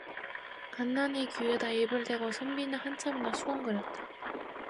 간난의 귀에다 입을 대고 선비는 한참이나 수군거렸다.